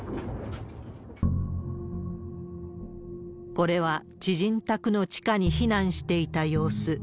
これは、知人宅の地下に避難していた様子。